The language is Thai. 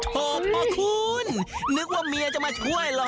พ่อคุณนึกว่าเมียจะมาช่วยเหรอ